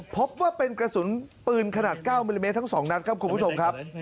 พบว่าเป็นกระสุนปืนขนาด๙มิลลิเมตรทั้ง๒นัดครับคุณผู้ชมครับ